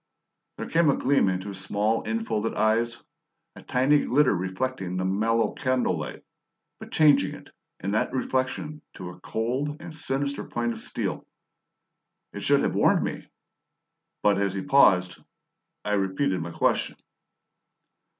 There came a gleam into his small, infolded eyes, a tiny glitter reflecting the mellow candle light, but changing it, in that reflection, to a cold and sinister point of steel. It should have warned me, but, as he paused, I repeated my question.